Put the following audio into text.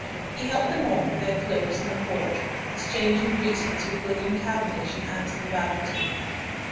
He helped them off with their cloaks in the porch, exchanging greetings with William Cavendish and Antony Babington.